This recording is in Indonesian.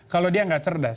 kalau dia tidak cerdas